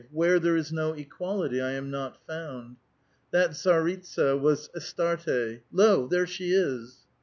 Where there is no equality I am not found. That tsaritsa was Astarte. Lo, there she is